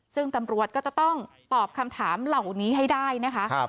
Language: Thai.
ซึ่งตำรวจก็จะต้องตอบคำถามเหล่านี้ให้ได้นะคะ